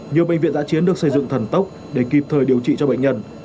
nhiều bệnh viện giã chiến được xây dựng thần tốc để kịp thời điều trị cho bệnh nhân